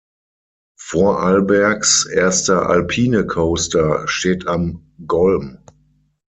Vorarlbergs erster Alpine-Coaster steht am Golm.